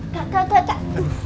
kak kak kak kak